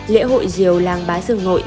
lễ hội diều làng bá dương ngội